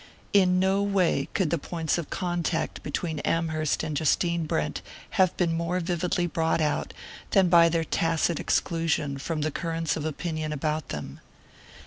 In no way could the points of contact between Amherst and Justine Brent have been more vividly brought out than by their tacit exclusion from the currents of opinion about them.